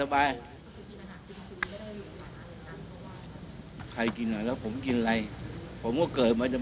ไม่มีมีไม่มีไม่มี